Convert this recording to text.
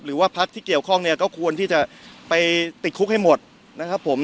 หรือว่าพักที่เกี่ยวข้องเนี่ยก็ควรที่จะไปติดคุกให้หมดนะครับผม